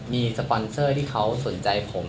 มีสปอนเซอร์ที่เขาสนใจผม